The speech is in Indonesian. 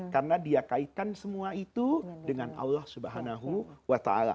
karena dia kaitkan semua itu dengan allah swt